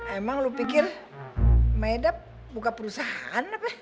emang lo pikir maeda buka perusahaan apa